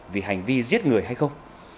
vì hành vi giết người hay không